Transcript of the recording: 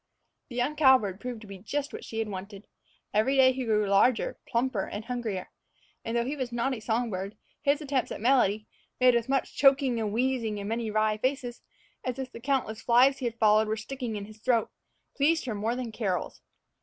The young cowbird proved to be just what she had wanted. Every day he grew larger, plumper, and hungrier; and though he was not a song bird, his attempts at melody, made with much choking and wheezing and many wry faces, as if the countless flies he had swallowed were sticking in his throat, pleased her more than carols.